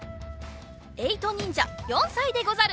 えいとにんじゃ４さいでござる！